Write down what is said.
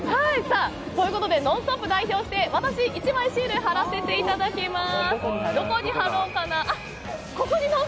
「ノンストップ！」を代表して私、１枚シール貼らせていただきます。